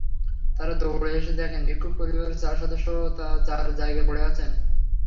তাঁরা দৌড়ে এসে দেখেন ভিক্ষুক পরিবারের চার সদস্য চার জায়গায় পড়ে আছেন।